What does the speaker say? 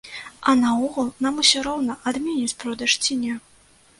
А наогул нам усё роўна, адменяць продаж ці не.